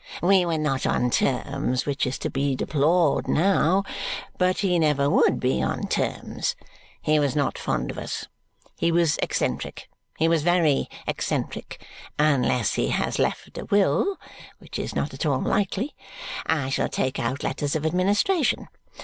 We were not on terms, which is to be deplored now, but he never WOULD be on terms. He was not fond of us. He was eccentric he was very eccentric. Unless he has left a will (which is not at all likely) I shall take out letters of administration.